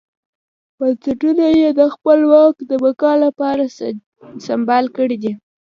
بنسټونه یې د خپل واک د بقا لپاره سمبال کړي دي.